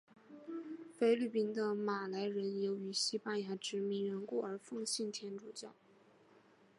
菲律宾的马来人由于西班牙殖民缘故而信奉天主教。